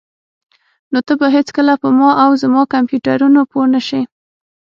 نو ته به هیڅکله په ما او زما کمپیوټرونو پوه نشې